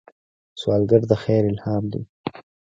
سوالګر د خیر الهام لري